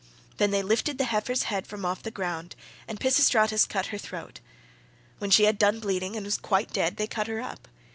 Then they lifted the heifer's head from off the ground, and Pisistratus cut her throat. When she had done bleeding and was quite dead, they cut her up.